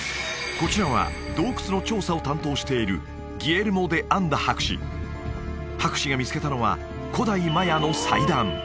こちらは洞窟の調査を担当している博士が見つけたのは古代マヤの祭壇